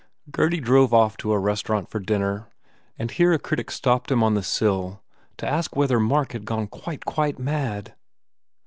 Gurdy drove off to a restaurant for dinner and here a critic stopped him on the sill to ask whether Mark had gone "quite, quite mad?"